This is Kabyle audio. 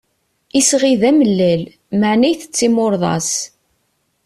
Isɣi d amellal, meεna itett imurḍas.